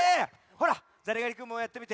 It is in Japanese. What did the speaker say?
ほらザリガニくんもやってみて。